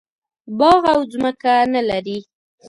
باغ او ځمکه نه لري.